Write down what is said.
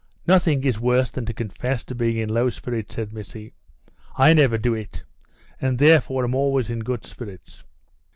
"Nothing is worse than to confess to being in low spirits," said Missy. "I never do it, and therefore am always in good spirits."